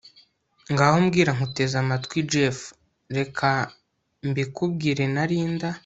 ngaho mbwira nkuteze amatwiJeff reka mbikubwire na linda